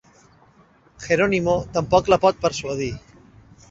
Geronimo tampoc la pot persuadir.